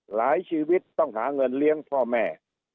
ชีวิตต้องหาเงินเลี้ยงพ่อแม่